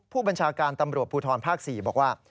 ผู้บัญชาการตำรวจภูทรภาค๔บอกว่า